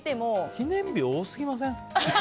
記念日多すぎません？